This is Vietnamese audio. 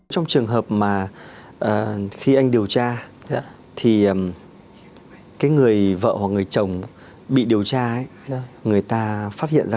trong trường hợp mà khi anh điều tra thì cái người vợ hoặc người chồng bị điều tra người ta phát hiện ra